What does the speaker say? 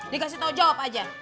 dikasih tau jawab aja